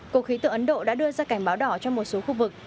cục khí tượng ấn độ đã đưa ra cảnh báo đỏ cho một số khu vực